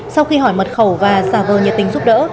sau khi hỏi mật khẩu và xà vơ nhiệt tình giúp đỡ